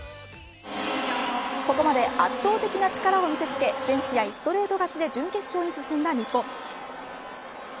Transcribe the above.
ここまで、圧倒的な力を見せつけ全試合ストレート勝ちで準決勝に進んだ日本。